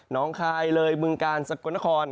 น้องคายเรยเบืองกาลสักกวันคลล์